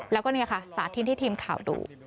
แล้วก็นี่ค่ะสาธิตให้ทีมข่าวดู